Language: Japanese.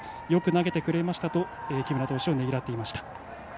よく投げてくれたと木村投手をねぎらっていました。